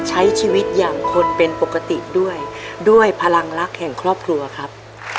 ใช้ชีวิตอย่างคนเป็นปกติด้วยด้วยพลังรักแห่งครอบครัวครับ